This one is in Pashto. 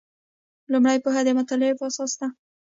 لومړۍ پوهه د مطالعې په اساس ده.